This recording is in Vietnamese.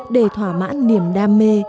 để thỏa mãn niềm đam mê